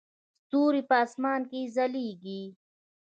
ستوري په اسمان کې ځلیږي